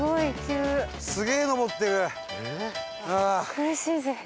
苦しいぜ。